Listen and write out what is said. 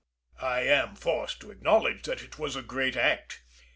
I am forced to acknowledge that it was a great act.